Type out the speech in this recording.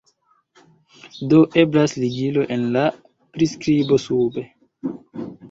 Do, estas ligilo en la priskibo sube